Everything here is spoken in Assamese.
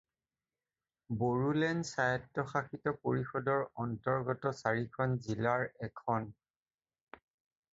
বড়োলেণ্ড স্বায়ত্বশাসিত পৰিষদৰ অন্তৰ্গত চাৰিখন জিলাৰ এখন।